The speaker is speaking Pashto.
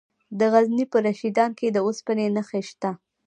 د غزني په رشیدان کې د اوسپنې نښې شته.